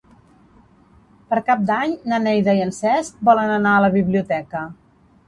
Per Cap d'Any na Neida i en Cesc volen anar a la biblioteca.